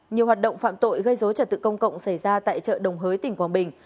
nhiều hoạt động phạm tội gây dối trật tự công cộng xảy ra tại chợ đồng hới tỉnh quảng bình